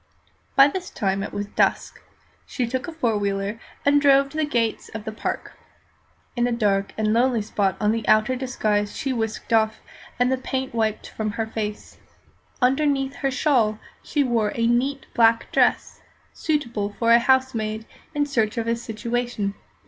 By this time it was dusk. She took a four wheeler and drove to the gates of the Park. In a dark and lonely spot the outer disguise was whisked off, and the paint wiped from her face. Underneath her shawl she wore a neat black dress, suitable for a housemaid in search of a situation.